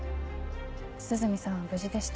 涼見さんは無事でした。